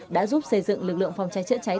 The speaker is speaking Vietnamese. đã giúp xây dựng lực lượng phòng cháy chữa cháy